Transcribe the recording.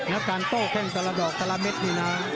แล้วการโต้แข้งแต่ละดอกแต่ละเม็ดนี่นะ